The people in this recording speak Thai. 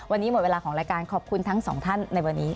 วันนี้หมดเวลาของรายการขอบคุณทั้งสองท่านในวันนี้